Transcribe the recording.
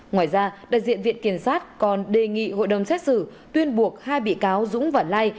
ngoài ra đại diện viện kiểm sát còn đề nghị hội đồng xét xử tuyên buộc hai bị cáo dũng và lai